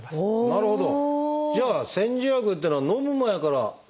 なるほど。